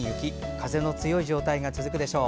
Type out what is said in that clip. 風の強い状態が続くでしょう。